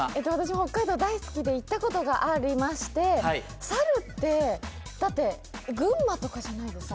北海道が大好きで行ったことがありまして猿って、だって群馬とかじゃないですか？